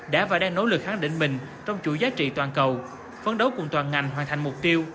đã và đang nỗ lực kháng định mình trong chủ giá trị toàn cầu phấn đấu cùng toàn ngành hoàn thành mục tiêu